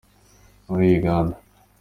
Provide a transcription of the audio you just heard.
muri Uganda